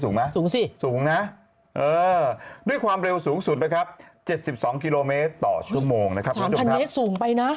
สูงด้วยความเร็วสูงสุดนะครับ๗๒กิโลเมตรต่อชั่วโมงนะครับสูงไปนะ